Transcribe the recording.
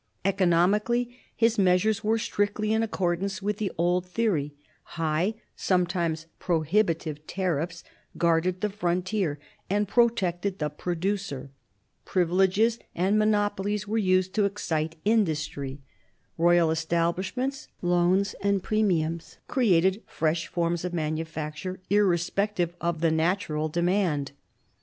Economically, his measures were strictly j n accord? ^ with the old theory; high, sometimes piv>v* >itive, tairTfe guarded the frontier and protected the producer ; privileges and monopolies were used to excite industry ; royal establish \ t 1748 57 THE EARLY REFORMS 75 ments, loans, and premiums created fresh forms of manufacture irrespective of the natural demand.